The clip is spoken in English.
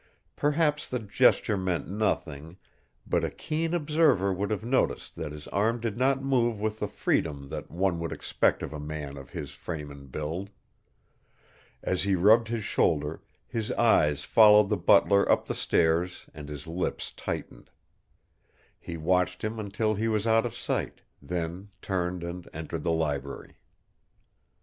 Perhaps the gesture meant nothing, but a keen observer would have noticed that his arm did not move with the freedom that one would expect of a man of his frame and build. As he rubbed his shoulder his eyes followed the butler up the stairs and his lips tightened. He watched him until he was out of sight, then turned and entered the library.